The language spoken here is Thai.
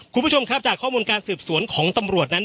คุณผู้ชมครับจากข้อมูลการสืบสวนของตำรวจนั้น